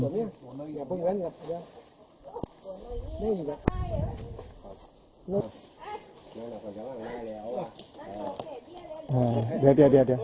โอ๊ย